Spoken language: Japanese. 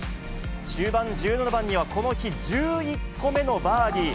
終盤１７番にはこの日１１個目のバーディー。